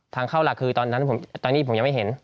ทางเข้าหลักคือตอนนั้นตอนนี้ผมยังไม่เห็น